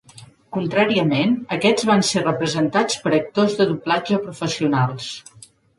Contràriament, aquests van ser representats per actors de doblatge professionals.